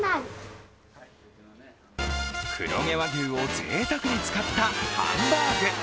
黒毛和牛をぜいたくに使ったハンバーグ。